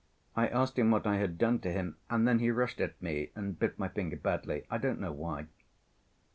I asked him what I had done to him. And then he rushed at me and bit my finger badly, I don't know why."